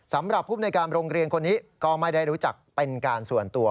สำหรับภูมิในการโรงเรียนคนนี้ก็ไม่ได้รู้จักเป็นการส่วนตัว